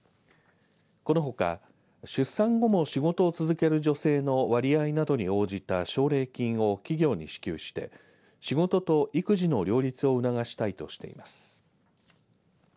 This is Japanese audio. このほか出産後も仕事を続ける女性の割合などに応じた奨励金を企業に支給して仕事と育児の両立を促したいとしています。